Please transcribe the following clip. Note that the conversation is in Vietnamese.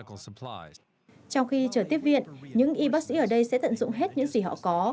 trong khi trở tiếp viện những y bác sĩ ở đây sẽ tận dụng hết những gì họ có